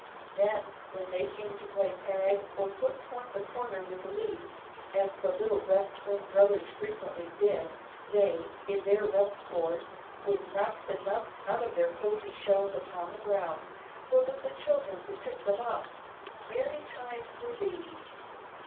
Then when they came to play tag or puss wants a corner with the leaves, as the little West Wind brothers frequently did, they, in their rough sport, would knock the nuts out of their cosy shells upon the ground, so that the children could pick them up. Merry times were these!